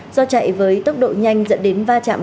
do chạy với tốc độ nhanh dẫn đến va chạm